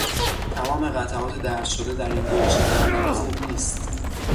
تمام قطعات درج شده در این گلچین ادبی خوب نیست.